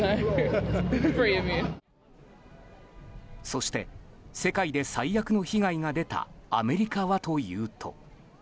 そして世界で最悪の被害が出たアメリカはというと。